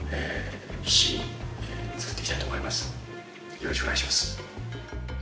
よろしくお願いします。